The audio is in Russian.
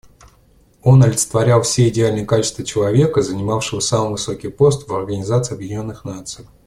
Он олицетворял все идеальные качества человека, занимавшего самый высокий пост в Организации Объединенных Наций.